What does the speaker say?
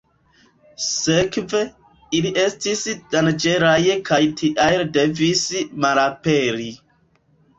Sekve, ili estis danĝeraj kaj tial devis malaperi.